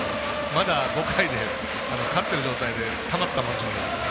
まだ、５回で勝っている状態でたまったもんじゃないです。